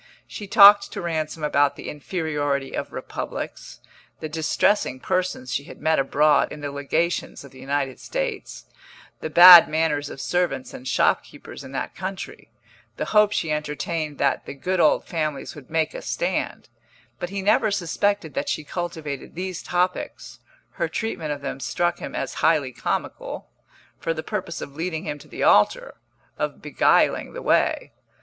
She talked to Ransom about the inferiority of republics, the distressing persons she had met abroad in the legations of the United States, the bad manners of servants and shopkeepers in that country, the hope she entertained that "the good old families" would make a stand; but he never suspected that she cultivated these topics (her treatment of them struck him as highly comical) for the purpose of leading him to the altar, of beguiling the way.